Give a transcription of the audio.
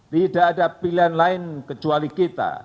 tidak ada pilihan lain kecuali kita